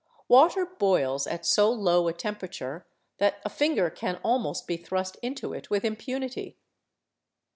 Water boils at so low a temperature that a finger can almost be thrust into it with impunity.